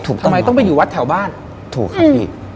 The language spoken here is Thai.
ทำไมต้องไปอยู่วัดแถวบ้านถูกครับพี่